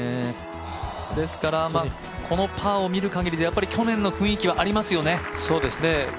このパーを見るかぎり去年の雰囲気はありますよね。